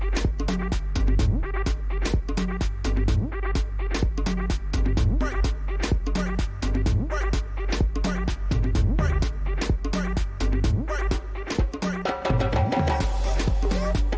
เตรียมไฟลุด้วยกับรอบแข่งขัน